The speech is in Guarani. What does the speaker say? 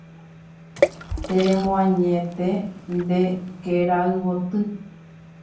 Teremoañete nde kerayvoty